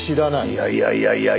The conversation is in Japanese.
いやいやいやいやいや。